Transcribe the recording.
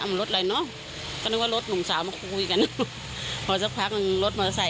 มันรถอะไรเนอะก็นึกว่ารถหนุ่มสาวมาคุยกันพอสักพักหนึ่งรถมอเตอร์ไซค